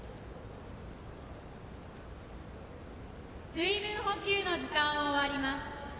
水分補給の時間を終わります。